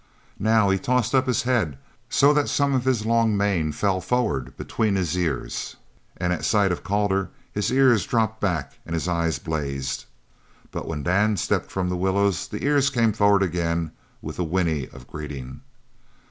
Now he tossed up his head so that some of his long mane fell forward between his ears and at sight of Calder his ears dropped back and his eyes blazed, but when Dan stepped from the willows the ears came forward again with a whinny of greeting.